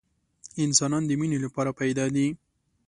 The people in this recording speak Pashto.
انسانان د مینې لپاره پیدا دي